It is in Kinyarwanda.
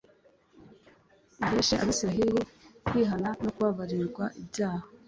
aheshe Abisiraheli kwihana no kubabarirwa ibyaha.